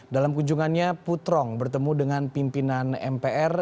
dalam kunjungannya putrong bertemu dengan pimpinan mpr